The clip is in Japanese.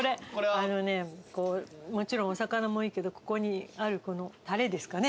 あのねもちろんお魚もいいけどここにあるこのタレですかね